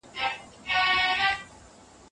کاردستي د ماشومانو د تفکر او تصمیم نیونې مهارت لوړوي.